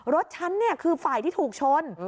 รถฉันเนี่ยคือฝ่ายที่ถูกชน